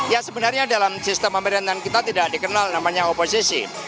ya sebenarnya dalam sistem pemerintahan kita tidak dikenal namanya oposisi